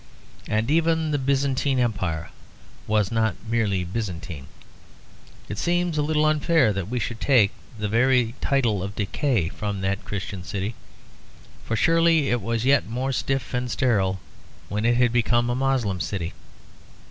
And even the Byzantine Empire was not merely Byzantine. It seems a little unfair that we should take the very title of decay from that Christian city, for surely it was yet more stiff and sterile when it had become a Moslem city.